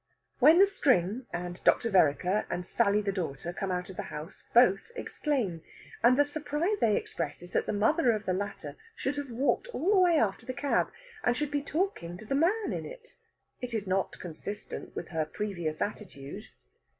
When the string, and Dr. Vereker, and Sally the daughter come out of the house, both exclaim. And the surprise they express is that the mother of the latter should have walked all the way after the cab, and should be talking to the man in it! It is not consistent with her previous attitude.